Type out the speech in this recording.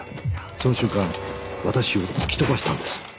その瞬間私を突き飛ばしたんです。